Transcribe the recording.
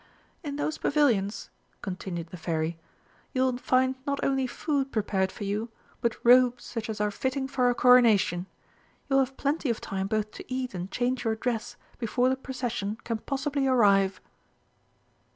"In those pavilions," continued the Fairy, "you will find not only food prepared for you, but robes such as are fitting for a Coronation. You will have plenty of time both to eat and change your dress before the procession can possibly arrive."